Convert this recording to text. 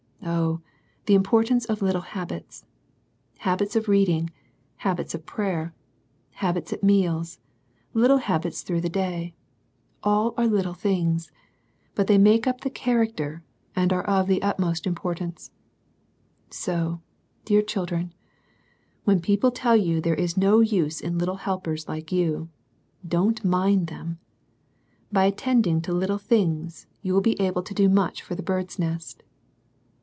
Oh, the importance of little habits I Habits of reading, habits of prayer, habits at meals, little habits t\v\Qiv\^ *Cs^R.^5lKl\^ — 102 SERMONS FOR CHILDREN. all are little things. But they make up the character, and are of the utmost importance. So, dear children, when people tell you there is no use in little helpers like you, don't mind them. By attending to lUtle things^ you will be able to do much for the " Bird's Nest."